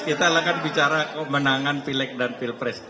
kita akan bicara kemenangan pilek dan pilpres